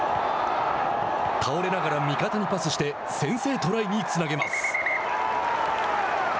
倒れながら味方にパスして先制トライにつなげます。